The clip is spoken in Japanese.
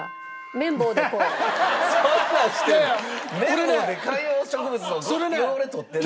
綿棒で観葉植物の汚れ取ってるの？